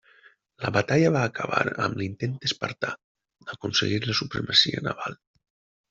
La batalla va acabar amb l'intent espartà d'aconseguir la supremacia naval.